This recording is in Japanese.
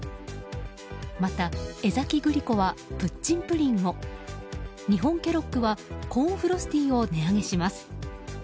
また、江崎グリコはプッチンプリンを日本ケロッグはコーンフロスティを値上げします。